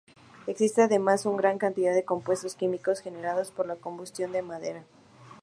Existe además una gran cantidad de compuestos químicos generados por la combustión de madera.